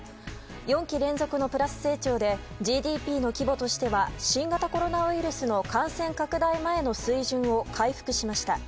４期連続のプラス成長でＧＤＰの規模としては新型コロナウイルスの感染拡大前の水準を回復しました。